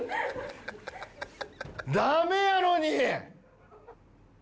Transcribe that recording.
ダメやのに！